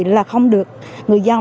là không được người dân